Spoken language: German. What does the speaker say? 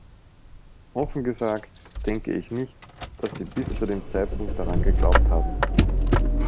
Offen gesagt, denke ich nicht, dass sie bis zu dem Zeitpunkt daran geglaubt haben.